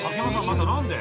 また何で？